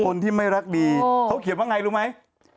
คนที่ไม่รักดีเขาเขียนว่าไงรู้ไหม